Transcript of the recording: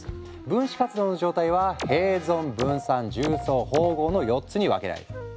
分子活動の状態は併存分散重層包合の４つに分けられる。